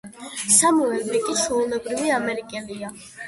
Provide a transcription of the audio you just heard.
სემუელ ბიკი ჩვეულებრივი ამერიკელია.